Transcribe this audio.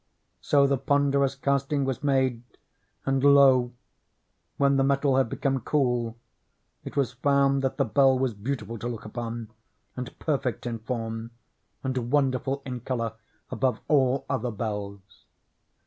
So the ponderous casting was made ; and lo ! when the metal had become cool, it was found that the bell was beautiful to look upon, and perfect in form, and wonderful in color above all other bells.